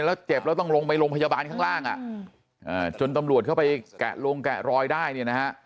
แล้วเจ็บแล้วต้องลงไปโรงพยาบาลข้างล่างอ่ะจนตำรวจเข้าไปแกะลงแกะรอยได้เนี่ยนะฮะ